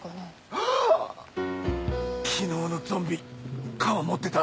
ハッ昨日のゾンビ鎌持ってた！